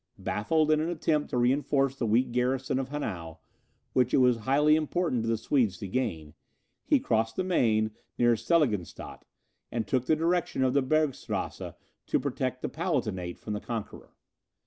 Baffled in an attempt to reinforce the weak garrison of Hanau, which it was highly important to the Swedes to gain, he crossed the Maine, near Seligenstadt, and took the direction of the Bergstrasse, to protect the Palatinate from the conqueror.